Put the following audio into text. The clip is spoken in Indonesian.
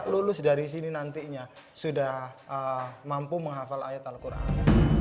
lulus dari sini nantinya sudah mampu menghafal ayat al quran